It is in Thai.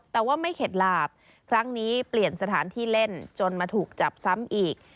แต่ว่าไม่เข็ดหลาบครั้งนี้เปลี่ยนสถานที่เล่นจนมาถูกจับซ้ำอีก